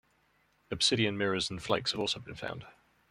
Obsidian mirrors and flakes have also been found.